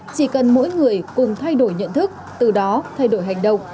chỉ cần mỗi người cùng thay đổi nhận thức từ đó thay đổi hành động